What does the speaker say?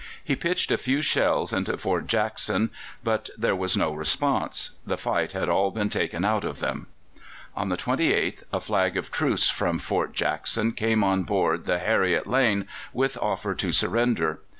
He pitched a few shells into Fort Jackson, but there "was no response; the fight had all been taken out of them." On the 28th a flag of truce from Fort Jackson came on board the Harriet Lane with offer to surrender.